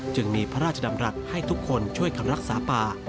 จึงมีพระราชดำรัฐให้ทุกคนช่วยกันรักษาป่า